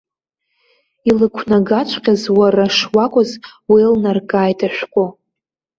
Илықәнагаҵәҟьаз уара шуакәыз уеилнаркааит ашәҟәы.